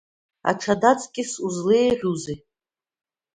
Аҽада аҵкыс узлеиӷьузеи?!